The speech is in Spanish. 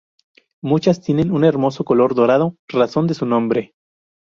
Muchas tienen un hermoso color dorado, razón de su nombre.